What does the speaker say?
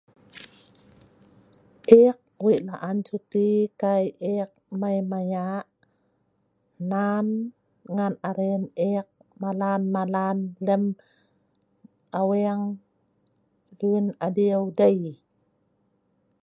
Eek wei la'an cuti kai eek mai maya' hnan ngaen aren eek malam lem aweeng luen adieu dei.